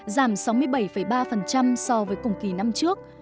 giảm sáu mươi bảy ba so với cùng kỳ năm trước